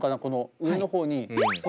この上の方に。